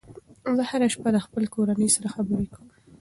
زه هره شپه د خپلې کورنۍ سره خبرې کوم.